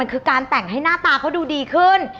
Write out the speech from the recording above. คือการแต่งให้หน้าตาเขาดูดีขึ้น